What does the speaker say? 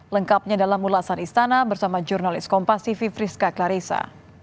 lengkapnya dalam ulasan istana bersama jurnalis kompas tv friska klarisa